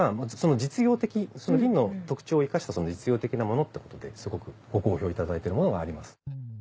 実用的銀の特徴を生かした実用的なものってことですごくご好評いただいてるものがあります。